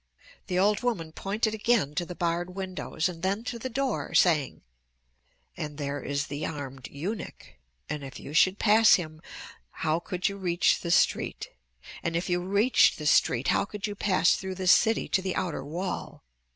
The old woman pointed again to the barred windows and then to the door, saying: "And there is the armed eunuch. And if you should pass him, how could you reach the street? And if you reached the street, how could you pass through the city to the outer wall?